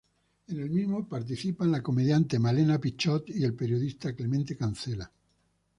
En el mismo, participan la comediante Malena Pichot y el periodista Clemente Cancela.